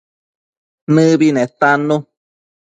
Nëbi netannu